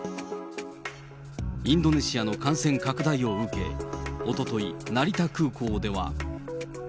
インドネシアの感染拡大を受け、おととい、成田空港では。